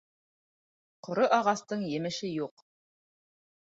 Ҡоро ағастың емеше юҡ.